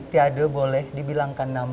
tiada boleh dibilangkan nama